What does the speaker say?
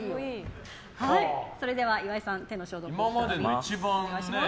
岩井さん手の消毒をお願いします。